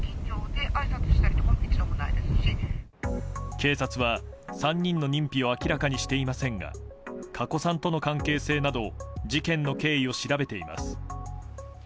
警察は３人の認否を明らかにしていませんが加古さんとの関係性など事件の経緯を調べています。